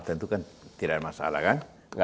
tentu kan tidak ada masalah kan